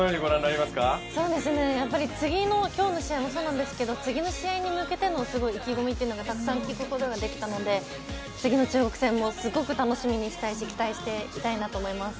やっぱり今日の試合もそうですけれども、次の試合に向けての意気込みをたくさん聞くことができたので次の中国戦もすごく楽しみに、期待したいなと思います。